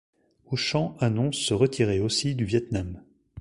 Auchan annonce se retirer aussi du Vietnam.